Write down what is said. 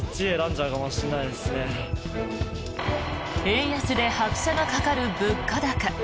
円安で拍車がかかる物価高。